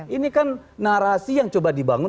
ini kan narasi yang coba dibangun